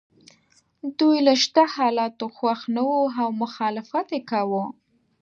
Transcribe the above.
دوی له شته حالاتو خوښ نه وو او مخالفت یې کاوه.